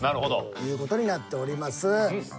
いう事になっております。